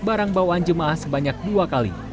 barang bawaan jemaah sebanyak dua kali